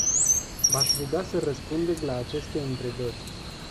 V-aș ruga să răspundeți la aceste întrebări.